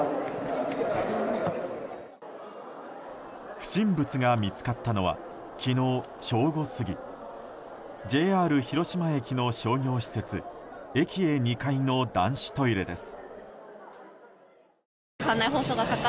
不審物が見つかったのは昨日正午過ぎＪＲ広島駅の商業施設エキエ２階の男子トイレです。